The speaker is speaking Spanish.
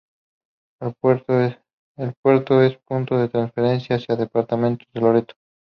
El puerto es punto de transferencia hacia el departamento de Loreto.